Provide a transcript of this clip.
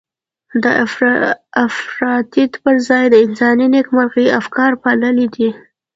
د افراطيت پر ځای د انساني نېکمرغۍ افکار پاللي دي.